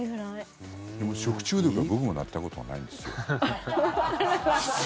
でも、食中毒は僕もなったことがないんですよ。